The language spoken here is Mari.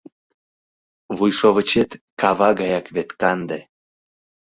Вуйшовычет кава гаяк вет канде